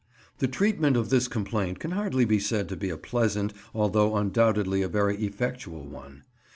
The treatment of this complaint can hardly be said to be a pleasant, although undoubtedly a very effectual one.